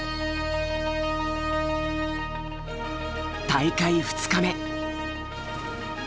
大会２日目。